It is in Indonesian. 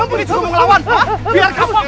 ini cuma mau lawan bidar kapok